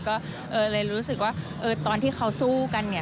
ก็เลยรู้สึกว่าตอนที่เขาสู้กันเนี่ย